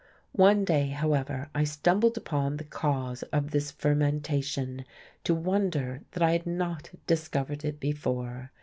One day, however, I stumbled upon the cause of this fermentation, to wonder that I had not discovered it before.